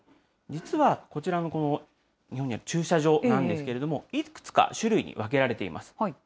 実は、こちらの駐車場なんですけれども、いくつか種類に分けられています。